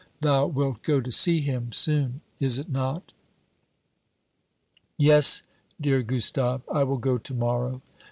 Thou wilt go to see him, soon, is it not?" "Yes, dear Gustave. I will go to morrow."